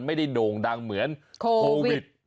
โด่งดังเหมือนโควิด